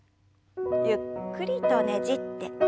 ゆっくりとねじって。